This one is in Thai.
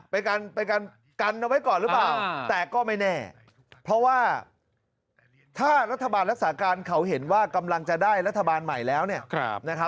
ไปกันเอาไว้ก่อนหรือเปล่าแต่ก็ไม่แน่เพราะว่าถ้ารัฐบาลรักษาการเขาเห็นว่ากำลังจะได้รัฐบาลใหม่แล้ว